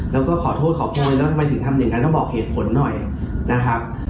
แล้วก็ขอโทษขอโพยแล้วทำไมถึงทำอย่างนั้นต้องบอกเหตุผลหน่อยนะครับ